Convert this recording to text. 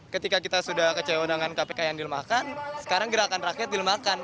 ketika kita sudah kecewa dengan kpk yang dilemahkan sekarang gerakan rakyat dilemahkan